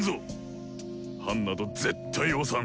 判など絶対押さん。